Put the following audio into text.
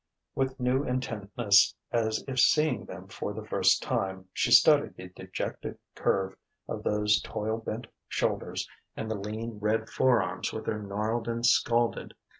With new intentness, as if seeing them for the first time, she studied the dejected curve of those toil bent shoulders, and the lean red forearms with their gnarled and scalded hands.